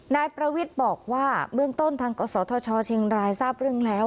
นายประวิทย์บอกว่าเบื้องต้นทางกศธชเชียงรายทราบเรื่องแล้ว